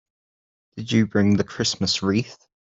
Did you bring the Christmas wreath?